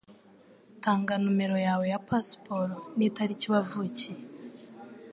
Tanga numero yawe ya pasiporo nitariki wavukiye.